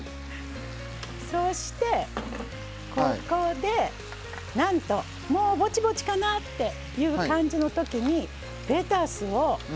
そうしてここでなんともうぼちぼちかなっていう感じのときにレタスをばしゃっと入れます。